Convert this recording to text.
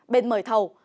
bên mời thầu